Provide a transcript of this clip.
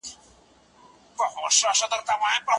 د ټولنې انډول د افرادو ترمینځ د اړیکو پراساس دی.